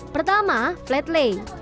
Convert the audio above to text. pertama flat lay